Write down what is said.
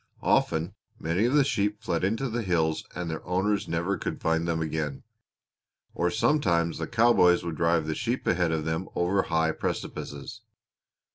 Often many of the sheep fled into the hills and their owners never could find them again. Or sometimes the cowboys would drive the sheep ahead of them over high precipices.